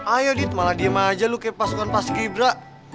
ayo dit malah diem aja lo kayak pasukan pas ghibra